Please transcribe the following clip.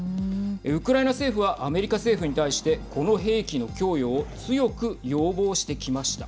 ウクライナ政府はアメリカ政府に対してこの兵器の供与を強く要望してきました。